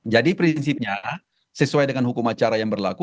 jadi prinsipnya sesuai dengan hukum acara yang berlaku